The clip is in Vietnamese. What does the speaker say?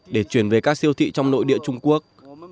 để chuyển về các siêu thị trong nội địa trung quốc